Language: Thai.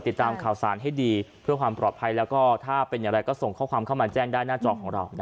ติดตามข่าวสารให้ดีเพื่อความปลอดภัยแล้วก็ถ้าเป็นอย่างไรก็ส่งข้อความเข้ามาแจ้งได้หน้าจอของเรา